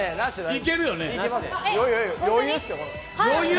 いけるよね。